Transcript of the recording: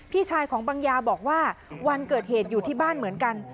พี่ชายของบังยาบอกว่าวันเกิดเหตุอยู่ที่บ้านเหมือนกัน